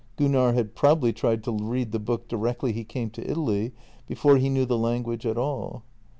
Gunnar had probably tried to read the book directly he came to Italy, be fore he knew the language at all.